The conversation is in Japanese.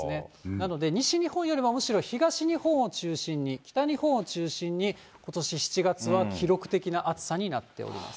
なので、西日本よりはむしろ、東日本を中心に、北日本を中心にことし７月は記録的な暑さになっております。